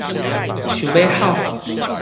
想欲吼